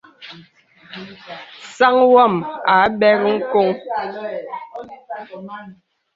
Sāŋ wam a bɛr ŋ̀koŋ.